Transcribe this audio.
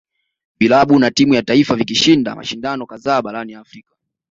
Vilabu na timu ya taifa vikishinda mashindano kadhaa barani Afrika